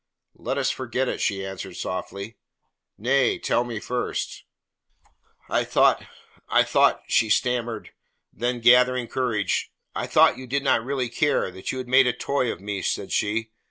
"Let us forget it," she answered softly. "Nay tell me first." "I thought I thought " she stammered; then, gathering courage, "I thought you did not really care, that you made a toy of me," said she.